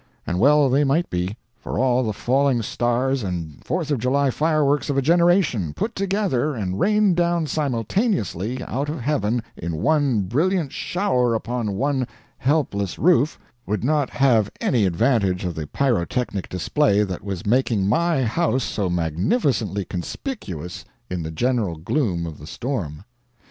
And well they might be, for all the falling stars and Fourth of July fireworks of a generation, put together and rained down simultaneously out of heaven in one brilliant shower upon one helpless roof, would not have any advantage of the pyrotechnic display that was making my house so magnificently conspicuous in the general gloom of the storm.